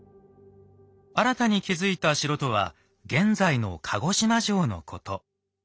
新たに築いた城とは現在の鹿児島城のこと。